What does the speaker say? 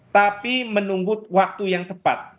tapi menunggu waktu yang tepat